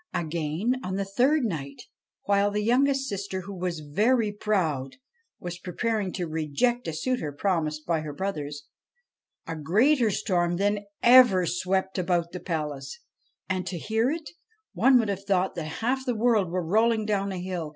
Again, on the third night, while the youngest sister, who was very proud, was preparing to reject a suitor promised by her brothers, a greater storm than ever swept up about the palace, and, to hear it, one would have thought that half the world were rolling down a hill.